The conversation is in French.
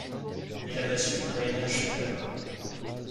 Il a battu Rainer Schüttler.